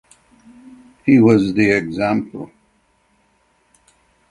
He was the example.